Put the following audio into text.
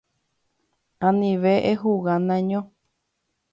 Anive ehuga neaño.